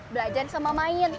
belajar sama main